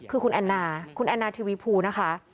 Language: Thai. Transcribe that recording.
คือคุณแอนนาคุณแอนนาทีวีภูนะคะ